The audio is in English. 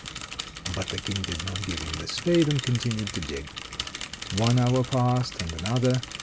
But the King did not give him the spade, and continued to dig. One hour passed, and another.